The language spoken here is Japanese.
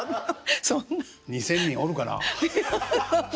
２，０００人おるかなあ？